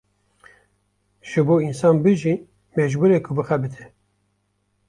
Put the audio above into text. Ji bo însan bijî mecbûre ku bixebite.